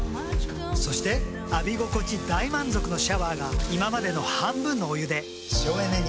そして浴び心地大満足のシャワーが今までの半分のお湯で省エネに。